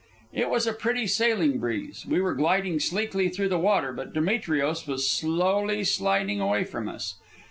It was a pretty sailing breeze. We were gliding sleekly through the water, but Demetrios was slowly sliding away from us.